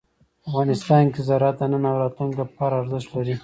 افغانستان کې زراعت د نن او راتلونکي لپاره ارزښت لري.